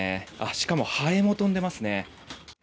しかもハエも飛んでいますね。